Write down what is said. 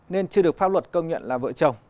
nên chưa được pháp luật công nhận là vợ chồng